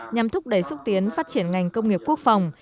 nhằm thúc đẩy xúc tiến phát triển ngành công nghiệp quốc phòng